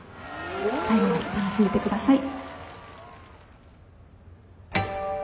最後まで楽しんでってください。